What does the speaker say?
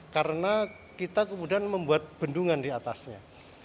karena kita kemudian membuat bendungan di atasnya